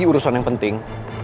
itu urusan yang penting